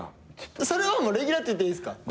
それはレギュラーって言っていいんですか？